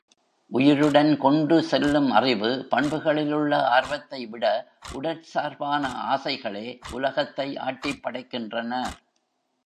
உயிருடன் கொண்டு செல்லும் அறிவு, பண்புகளில் உள்ள ஆர்வத்தைவிட உடற்சார்பான ஆசைகளே உலகத்தை ஆட்டிப்படைக்கின்றன.